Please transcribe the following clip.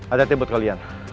ada tim buat kalian